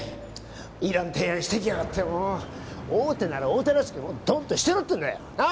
いらん提案してきやがってもう大手なら大手らしくドンとしてろってんだよなあ？